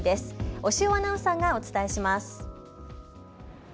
押尾アナウンサーがお伝えします。